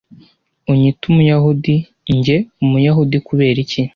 unyite umuyahudi njye umuyahudi kubera iki